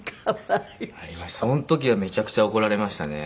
その時はめちゃくちゃ怒られましたね。